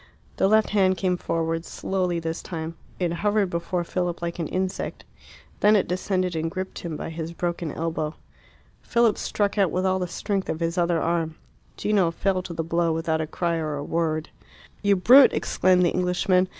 The left hand came forward, slowly this time. It hovered before Philip like an insect. Then it descended and gripped him by his broken elbow. Philip struck out with all the strength of his other arm. Gino fell to the blow without a cry or a word. "You brute!" exclaimed the Englishman.